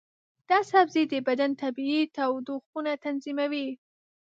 دا سبزی د بدن طبیعي تودوخه تنظیموي.